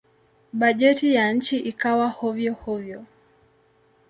Bajeti ya nchi ikawa hovyo-hovyo.